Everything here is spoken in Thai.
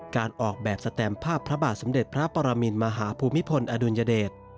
การออกแบบสแตมภาพพระบาทสมเด็จพระปรมินมหาภูมิพลอดุลยเดช